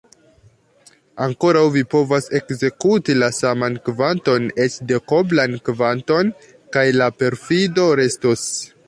Ankoraŭ vi povas ekzekuti la saman kvanton, eĉ dekoblan kvanton, kaj la perfido restos.